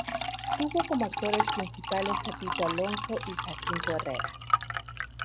Tuvo como actores principales a Tito Alonso y Jacinto Herrera.